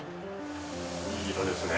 いい色ですね。